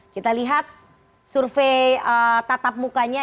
kita lihat survei tatap mukanya